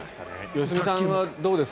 良純さんはどうです？